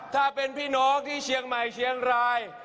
ถ้าเป็นพี่น้องที่เชียงใหม่เชียงราย